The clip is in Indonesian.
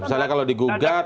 misalnya kalau digugat